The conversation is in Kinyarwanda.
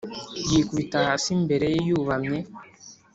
yikubita hasi imbere ye yubamye.